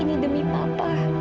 ini demi papa